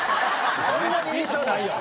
そんなに印象ないよ。